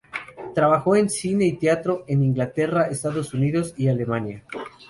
Trabajó en cine y teatro en Inglaterra, Estados Unidos y Alemania.